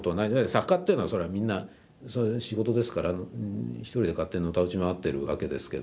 作家っていうのはそれはみんなそれが仕事ですから一人で勝手にのたうち回ってるわけですけど。